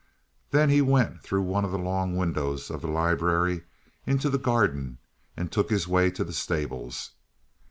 Then he went through one of the long windows of the library into the garden and took his way to the stables.